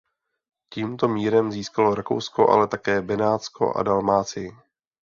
Tímto mírem získalo Rakousko ale také Benátsko a Dalmácii.